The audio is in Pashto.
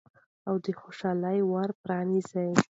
او د خوشحالۍ ور پرانیزئ.